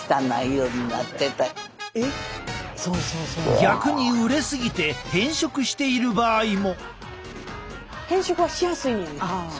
逆に熟れすぎて変色している場合も！